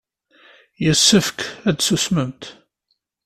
Yessefk ad tsusmemt.